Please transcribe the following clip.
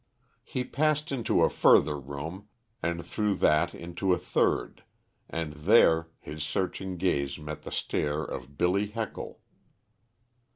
He passed into a further room, and through that into a third, and there, his searching gaze met the stare of Billy Heckle.